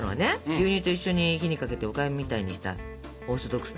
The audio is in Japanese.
牛乳と一緒に火にかけておかゆみたいにしたオーソドックスなやつだったでしょ。